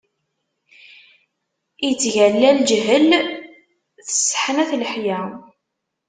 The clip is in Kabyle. Ittgalla leǧhel, tesseḥnat leḥya.